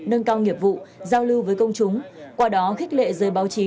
nâng cao nghiệp vụ giao lưu với công chúng qua đó khích lệ giới báo chí